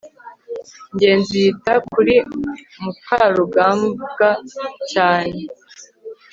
ngenzi yita kuri mukarugambwa cyane